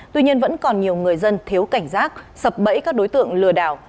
tuy nhiên vẫn còn nhiều người dân thiếu cảnh giác sập bẫy các đối tượng lừa đảo